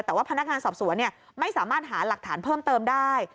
แต่ว่าพนักงานสอบสวนไม่สามารถหาหลักฐานเพิ่มเติมได้